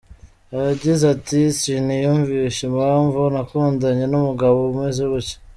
Yagize ati “Siniyumvisha impamvu nakundanye n’umugabo umeze gutya.